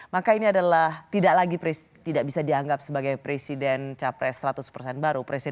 maka ini adalah tidak bisa dianggap sebagai presiden capres seratus baru